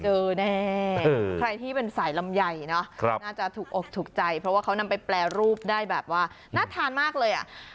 แน่ใครที่เป็นสายลำไยเนาะน่าจะถูกอกถูกใจเพราะว่าเขานำไปแปรรูปได้แบบว่าน่าทานมากเลยอ่ะ